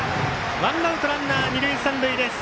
ワンアウトランナー、二塁三塁です。